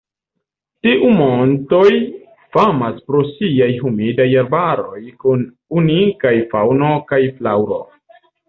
Tiu montoj famas pro siaj humidaj arbaroj kun unikaj faŭno kaj flaŭro.